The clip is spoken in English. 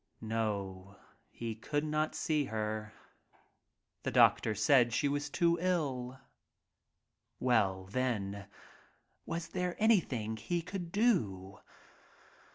No he could not see her. The doctor said she was too ill. Well, then, was there anything he could do.